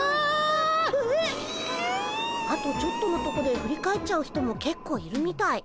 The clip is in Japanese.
あとちょっとのとこで振り返っちゃう人もけっこういるみたい。